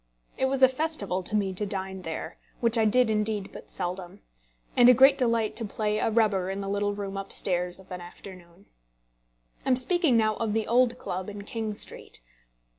It was a festival to me to dine there which I did indeed but seldom; and a great delight to play a rubber in the little room up stairs of an afternoon. I am speaking now of the old club in King Street.